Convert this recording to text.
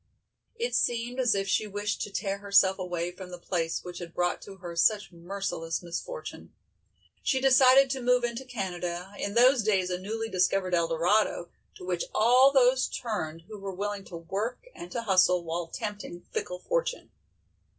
It seemed as if she wished to tear herself away from the place which had brought to her such merciless misfortune. She decided to move into Canada, in those days a newly discovered Eldorado, to which all those turned who were willing to work and to hustle while tempting fickle fortune.